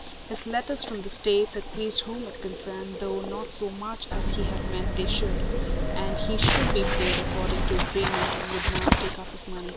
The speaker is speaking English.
His letters from the States had pleased whom it concerned, though not so much as he had meant they should; and he should be paid according to agreement and would now take up his money.